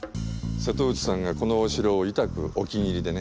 瀬戸内さんがこのお城をいたくお気に入りでね。